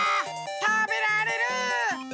たべられる！